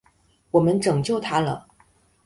我们拯救他了！